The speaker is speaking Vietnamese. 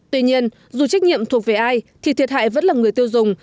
tuy nhiên dù trách nhiệm thuộc về ai thì thiệt hại vẫn là người tiêu dùng